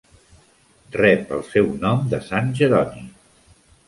Rep el seu nom de Sant Jeroni.